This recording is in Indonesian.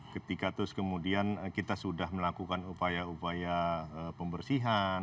ketika terus kemudian kita sudah melakukan upaya upaya pembersihan